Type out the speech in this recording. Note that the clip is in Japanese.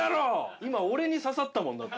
今俺に刺さったもんだって。